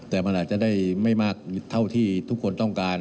แต่มันอาจจะได้ไม่มากเท่าที่ทุกคนต้องการ